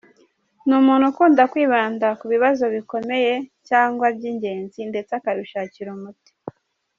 Ni umuntu ukunda kwibanda ku bibazo bikomeye cyangwa byigenzi ndetse akabishakira umuti.